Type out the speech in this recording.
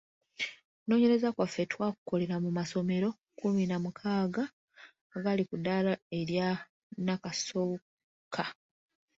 Okunonyereza kwaffe twakukolera mu masomero kkumi na mukaaga agali ku ddaala erya nnakasooka.